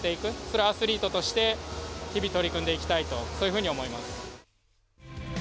それはアスリートとして日々取り組んでいきたいとそういうふうに思います。